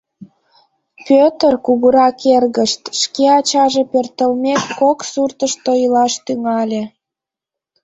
Пӧтыр, кугурак эргышт, шке ачаже пӧртылмек, кок суртышто илаш тӱҥале.